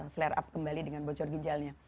flare up kembali dengan bocor ginjalnya